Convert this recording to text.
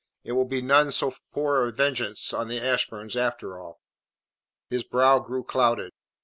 It will be none so poor a vengeance on the Ashburns after all." His brow grew clouded.